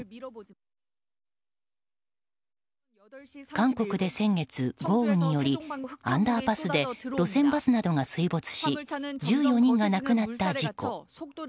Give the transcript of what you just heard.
韓国で先月、豪雨によりアンダーパスで路線バスなどが水没し、１４人が亡くなった事故。